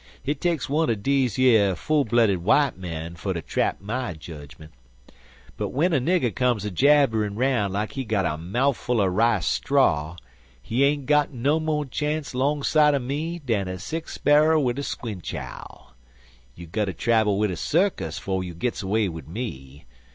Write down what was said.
Hit takes one er deze yer full blooded w'ite men fur ter trap my jedgment. But w'en a nigger comes a jabberin' 'roun' like he got a mouf full er rice straw, he ain't got no mo' chance long side er me dan a sick sparrer wid a squinch owl. You gutter travel wid a circus 'fo' you gits away wid me.